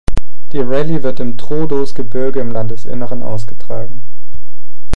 Die Rallye wird im Troodos-Gebirge im Landesinneren ausgetragen.